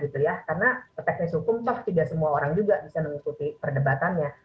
karena teknis hukum toh tidak semua orang juga bisa mengikuti perdebatannya